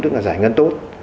tức là giải ngân tốt